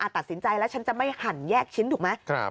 ตัดสินใจแล้วฉันจะไม่หั่นแยกชิ้นถูกไหม